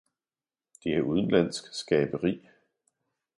Det er udenlandsk skaberi!